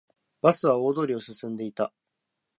バスは大通りを進んでいた